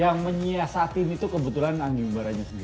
yang menyiasatin itu kebetulan anggi baranya sendiri